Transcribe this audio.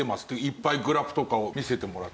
いっぱいグラフとかを見せてもらって。